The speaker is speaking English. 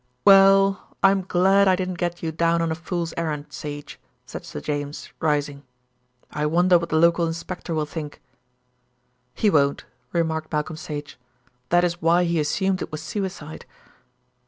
"Well, I'm glad I didn't get you down on a fool's errand, Sage," said Sir James, rising. "I wonder what the local inspector will think." "He won't," remarked Malcolm Sage; "that is why he assumed it was suicide."